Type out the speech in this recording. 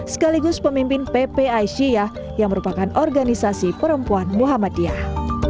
sekaligus pemimpin pp aisyah yang merupakan organisasi perempuan muhammadiyah